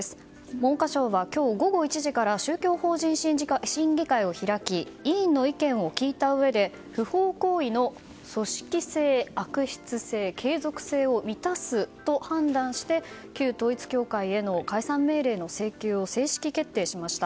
文部科学省は今日午後１時から宗教法人審議会を開き委員の意見を聞いたうえで不法行為の組織性、悪質性継続性を満たすと判断して旧統一教会への解散命令の請求を正式決定しました。